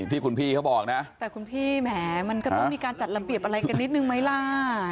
แต่คุณพี่แหมมันก็ต้องมีการจัดระเบียบอะไรกันนิดนึงไหมล่ะ